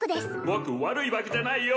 僕悪いバクじゃないよ